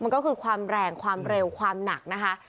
มันก็คือความแรงความเร็วความหนักนะคะ